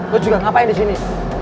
lo juga ngapain disini